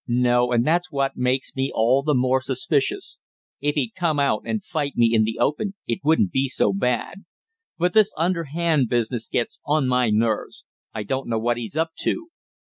"No, and that's what makes me all the more suspicious. If he'd come out and fight me in the open it wouldn't be so bad. But this underhand business gets on my nerves. I don't know what he's up to."